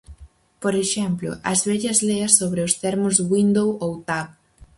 Por exemplo, as vellas leas sobre os termos "window" ou "tab".